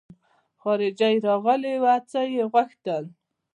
خارجۍ راغلې وه څه يې غوښتل.